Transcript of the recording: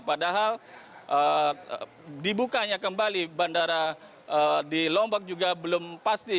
padahal dibukanya kembali bandara di lombok juga belum pasti